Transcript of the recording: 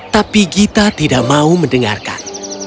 tapi gita tidak mau mendengarkan